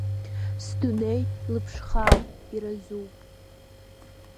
Сдунеи лыԥшхаауп, иразуп…